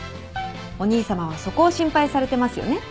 お兄さまはそこを心配されてますよね。